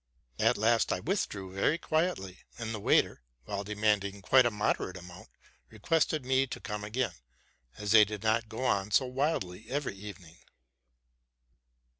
At last I withdrew very quietly ; and the waiter, while demanding quite a moderate amount, requested me to come again, as they did not go on so wildly every even ing.